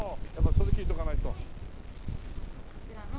やっぱりそれ聞いておかないと。